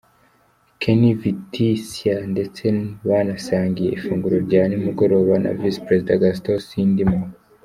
Ken Vitisia ndetse banasangiye ifunguro rya nimugoroba na Visi Perezida Gaston Sindimwo.